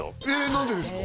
何でですか？